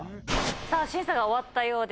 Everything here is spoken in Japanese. さあ審査が終わったようです。